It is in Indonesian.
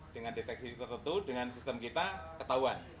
dengan deteksi tertentu dengan sistem kita ketahuan